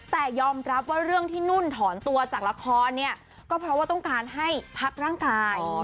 แต่ยอมรับว่าเรื่องที่นุ่นถอนตัวจากละครนี้ต้องการให้พักร่างกาย